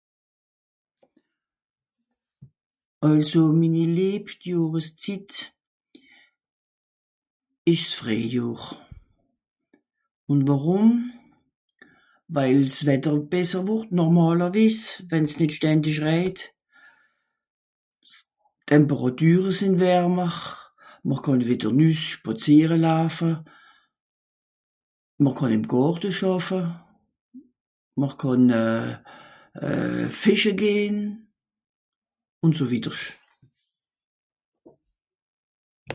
àlso minni lebscht Jàhres Zit esch s'Freijàhr ùn wàrùm weils wìtter besser wort nòrmàlerwiss wenn's nìt ständich reijt s'Tàmpéràture sìnn wärmer mr kànn wìter nüss spàziere laafe mr kànn ìm Gorte schàffe mr kànn euh euh fìsche gehn ùn so wìdersch